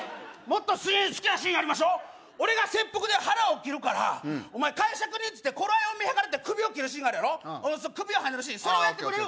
もっと好きなシーンやりましょう俺が切腹で腹を切るからお前介錯人っつって頃合いを見計らって首を斬るシーンがあるやろ首をはねるシーンそれをやってくれる？